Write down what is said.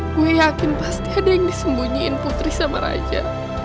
gue yakin pasti ada yang disembunyiin putri sama raja